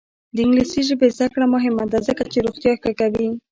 د انګلیسي ژبې زده کړه مهمه ده ځکه چې روغتیا ښه کوي.